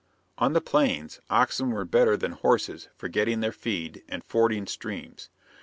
On the Plains, oxen were better than horses for getting their feed and fording streams.